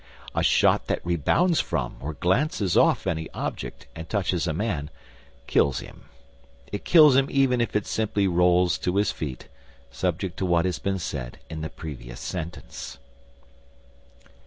A shot that rebounds from or glances off any object and touches a man, kills him; it kills him even if it simply rolls to his feet, subject to what has been said in the previous sentence.